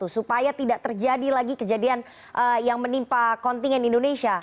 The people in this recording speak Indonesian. supaya tidak terjadi lagi kejadian yang menimpa kontingen indonesia